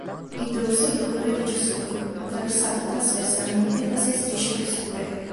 Il dorso è di colore grigio scuro, attraversato trasversalmente da sei strisce più scure.